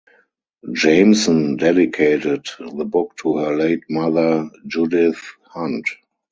Jameson dedicated the book to her late mother, Judith Hunt.